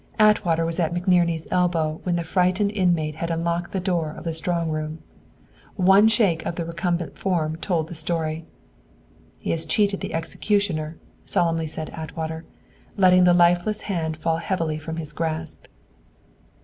Atwater was at McNerney's elbow when the frightened inmate had unlocked the door of the strong room. One shake of the recumbent form told the story. "He has cheated the executioner," solemnly said Atwater, letting the lifeless hand fall heavily from his grasp.